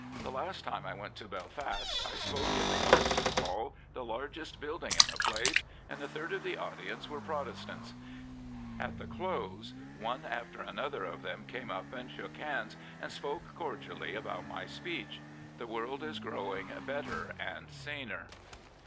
The last time I went to Belfast I spoke in the Ulster Hall, the largest building in the place, and a third of the audience were Protestants. At the close one after another of them came up and shook hands and spoke cordially about my speech. The world is growing better and saner."